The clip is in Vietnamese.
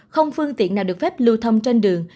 không phương tiện nào được phép lưu thông trên đường